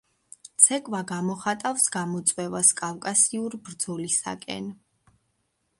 ცეკვა გამოხატავს გამოწვევას, კავკასიურ ბრძოლისაკენ.